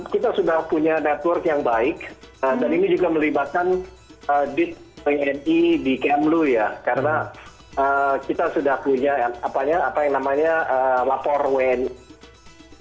kita sudah punya network yang baik dan ini juga melibatkan dit wni di kmlu ya karena kita sudah punya apa yang namanya lapor wni